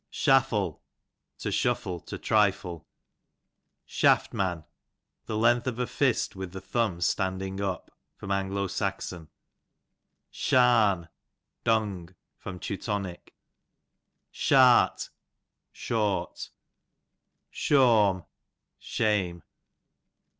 Shaffle, to shuffle, to trifle. Shaftman, the length of a fist with the thumb standing up. A. S. Sharn, dung. Teu. Shart, short. Shawm, shame.